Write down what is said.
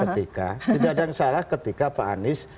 tidak ada yang salah ketika pak anies